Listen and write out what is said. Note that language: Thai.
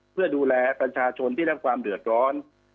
เพื่อดูแลประชาชนที่รับความเดือดร้อน